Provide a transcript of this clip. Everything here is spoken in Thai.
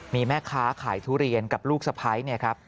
มีแม่ค้าขายทุเรียนกับลูกสะพ้ายเนี่ยครับ